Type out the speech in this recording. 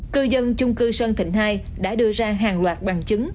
cư dân chung cư sơn thịnh hai đã đưa ra hàng loạt bằng chứng